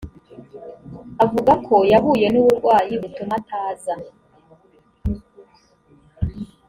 avuga ko yahuye n uburwayi butuma ataza